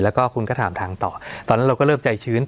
แล้วก็คุณก็ถามทางต่อตอนนั้นเราก็เริ่มใจชื้น